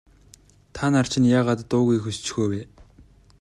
Та нар чинь яагаад дуугүй хөшчихөө вэ?